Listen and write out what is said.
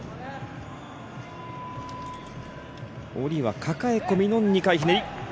下りはかかえ込みの２回ひねり。